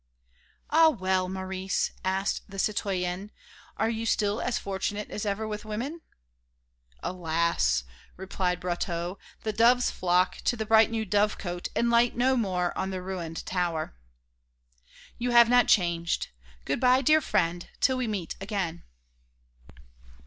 "Ah, well! Maurice," asked the citoyenne, "are you still as fortunate as ever with women?" "Alas!" replied Brotteaux, "the doves flock to the bright new dovecote and light no more on the ruined tower." "You have not changed.... Good bye, dear friend, till we meet again."